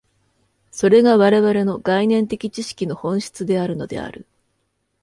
それが我々の概念的知識の本質であるのである。